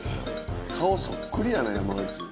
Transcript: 顔そっくりやね山内。